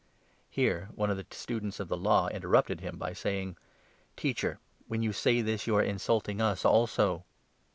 Here one of the Students of the Law interrupted him by saying : 45 " Teacher, when you say this, you are insulting us also."